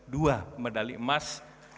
dua medali emas